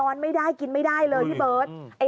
ไม่ได้กินไม่ได้เลยพี่เบิร์ต